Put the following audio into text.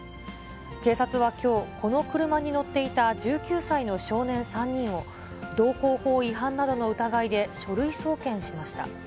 警察はきょう、この車に乗っていた１９歳の少年３人を、道交法違反などの疑いで書類送検しました。